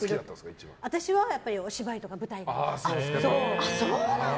私はやっぱりお芝居とか舞台が。